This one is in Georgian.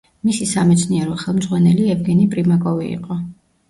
მისი სამეცნიერო ხელმძღვანელი ევგენი პრიმაკოვი იყო.